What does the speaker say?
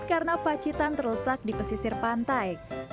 karena pacitan terletak di pesisir pantai